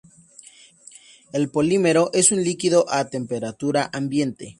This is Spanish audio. El polímero es un líquido a temperatura ambiente.